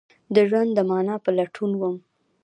د ژوند د معنی په لټون وم